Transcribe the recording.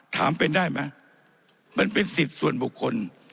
ถามเป็นได้ไหมมันเป็นสิทธิ์ส่วนบุคคล